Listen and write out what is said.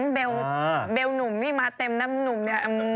อื้อหือเบลล์หนุ่มนี่มาเต็มน้ำหนุ่มเนี่ย